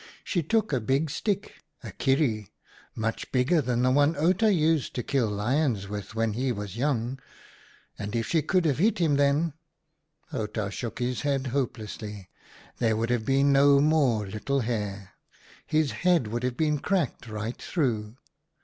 She took a big stick, a kierie — much bigger than the one Outa used to kill lions with when he was young — and if she could have hit him, then "— Outa shook his head hopelessly —" there would have been no more Little Hare : his head would have been cracked right through.